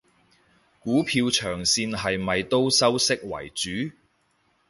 股票長線係咪都收息為主？